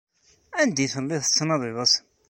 Anda ay telliḍ tettandiḍ-asen?